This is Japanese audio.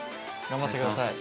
頑張って下さい。